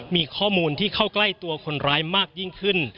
มีข้อมูลที่เข้าใกล้ตัวคนร้ายมากยิ่งขึ้น